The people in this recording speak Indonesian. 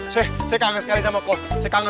saya kangen sekali sama kok